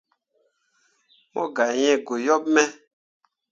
Mo gah yĩĩ goyaɓ me.